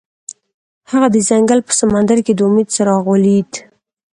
هغه د ځنګل په سمندر کې د امید څراغ ولید.